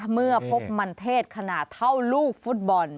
เมื่อพบมันเทศขนาดเท่าลูกฟุตบอล